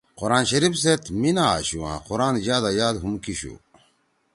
قُرآن شریف سیت میِنا آشُو آں قرآن یادا یاد ہُم کیِشُو